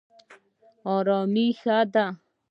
ارامي ښه ده.